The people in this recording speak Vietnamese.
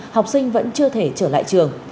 học sinh vẫn chưa thể trở lại trường